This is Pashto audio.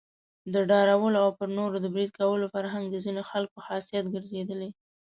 د ډارولو او پر نورو د بريد کولو فرهنګ د ځینو خلکو خاصيت ګرځېدلی.